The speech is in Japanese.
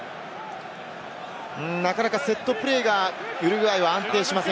なかなかセットプレーがウルグアイは安定しません。